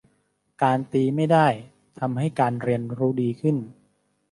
การตีไม่ได้ทำให้การเรียนรู้ดีขึ้น